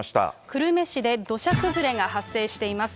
久留米市で土砂崩れが発生しています。